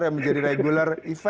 yang menjadi regular event